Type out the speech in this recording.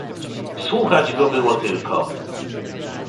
"Słuchać go było tylko."